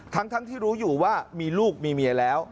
ทั้งที่รู้อยู่ว่ามีลูกมีเมียแล้ว